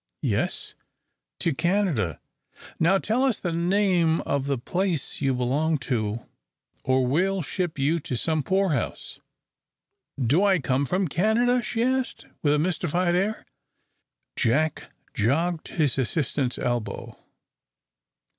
"Yes to Canada. Now tell us the name of the place you belong to, or we'll ship you to some poorhouse." "Do I come from Canada?" she asked, with a mystified air. Jack jogged his assistant's elbow.